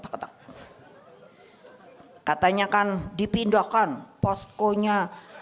katanya kan dipindahkan poskonya